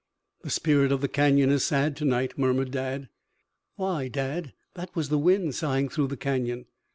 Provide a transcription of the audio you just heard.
"The spirit of the Canyon is sad to night," murmured Dad. "Why, Dad, that was the wind sighing through the Canyon."